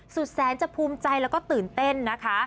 สุดแสนจะภูมิใจแล้วก็ตื่นเต้นนะคะ